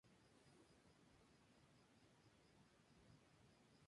Estas son generalmente de color amarillo o amarillo verdoso con conjuntos de flores amarillas.